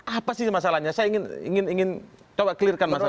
apa sih masalahnya saya ingin coba clearkan masalah ini